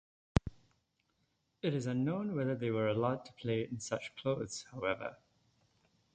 It is unknown whether they were allowed to play in such clothes however.